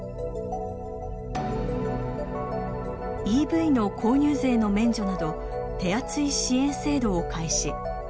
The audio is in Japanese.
ＥＶの購入税の免除など手厚い支援制度を開始。